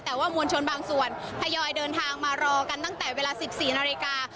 แต่ว่ามวลชนบางส่วนทยอยเดินทางมารอกันตั้งแต่เวลา๑๔นาฬิกา